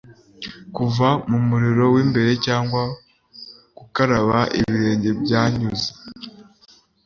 Kuva mumuriro wimbere cyangwa gukaraba ibirenge byanyuze